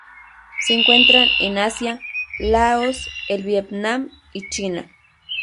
Se encuentran en Asia: Laos, el Vietnam y China.